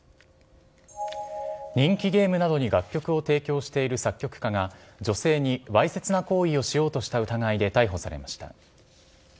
人気ゲームなどに楽曲を提供している作曲家が、女性にわいせつな行為をしようとした疑いで逮捕されました。